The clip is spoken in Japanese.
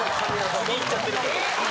次いっちゃってる。